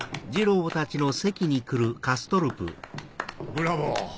ブラァボー。